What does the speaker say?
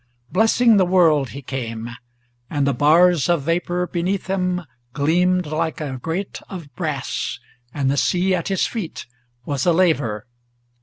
Blessing the world he came, and the bars of vapor beneath him Gleamed like a grate of brass, and the sea at his feet was a laver!